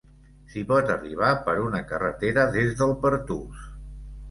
S'hi pot arribar per una carretera des del Pertús.